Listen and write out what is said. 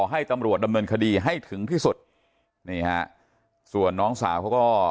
ให้ตำรวจดำเนินคดีให้ถึงที่สุดนี่ฮะส่วนน้องสาวเขาก็